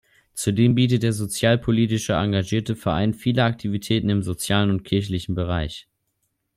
Zudem bietet der sozialpolitisch engagierte Verein viele Aktivitäten im sozialen und kirchlichen Bereich.